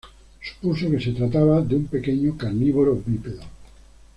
Supuso que se trataba de un pequeño carnívoro bípedo.